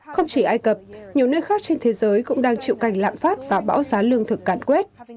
không chỉ ai cập nhiều nơi khác trên thế giới cũng đang chịu cảnh lạng phát và bão giá lương thực cạn quét